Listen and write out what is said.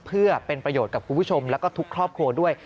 เพื่อเป็นประโยชน์กับคุณผู้ชมแล้วก็ทุกครอบครัวด้วย